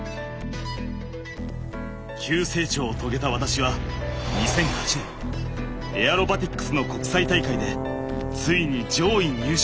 急成長を遂げた私は２００８年エアロバティックスの国際大会でついに上位入賞。